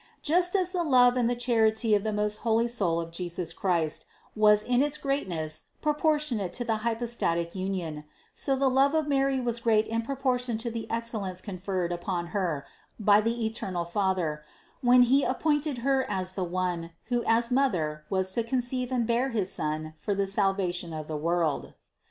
Just as the love and the charity of the most holy soul of Jesus Christ was in its greatness proportionate to the hypostatic union, so the love of Mary was great in proportion to the ex cellence conferred upon Her by the eternal Father, when He appointed Her as the one, who as Mother was to con ceive and bear his Son for the salvation of the world.